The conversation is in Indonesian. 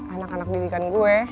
anak anak didikan gue